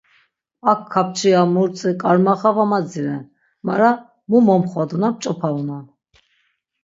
Ak kapçia, murtzi, k̆armaxa va maz̆iren mara mu momxvaduna p̆ç̌opaunon.